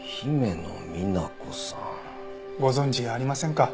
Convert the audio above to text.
ご存じありませんか？